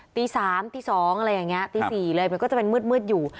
ตี๓ตี๒อะไรอย่างนี้ตี๔เลยมันก็จะเป็นมืดอยู่